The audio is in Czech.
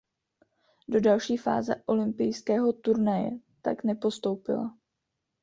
Do další fáze olympijského turnaje tak nepostoupila.